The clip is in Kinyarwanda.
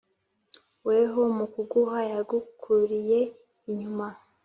“weho mu kuguha yagukuriye inyuma,